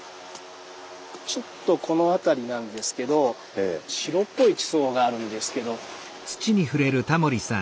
ちょっとこのあたりなんですけど白っぽい地層があるんですけど。